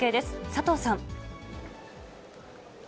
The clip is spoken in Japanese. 佐藤さん。